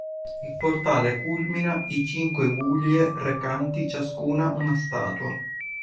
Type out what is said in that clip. Il portale culmina i cinque guglie recanti ciascuna una statua.